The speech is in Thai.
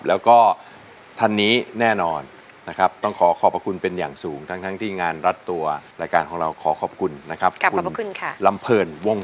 แล้วก็ท่านนี้แน่นอนนะครับต้องขอขอบพระคุณเป็นอย่างสูงทั้งที่งานรัดตัวรายการของเราขอขอบคุณนะครับ